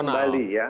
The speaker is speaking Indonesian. pengaturan kembali ya